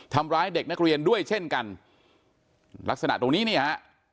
ทำร้ายเด็กนักเรียนด้วยเช่นกันลักษณะตรงนี้นี่ฮะ